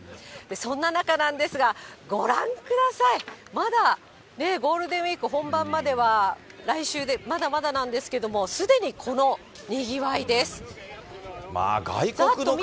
そんな中なんですが、ご覧ください、まだゴールデンウィーク本番までは来週で、まだまだなんですけど、すでにこのにぎわいです。